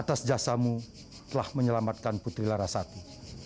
atas jasamu telah menyelamatkan putri larasati